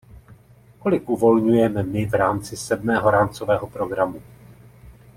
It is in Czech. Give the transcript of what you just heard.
Kolik uvolňujeme my v rámci sedmého rámcového programu?